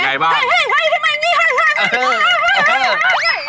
เฮ่ยทำไมนี่โอ้โฮ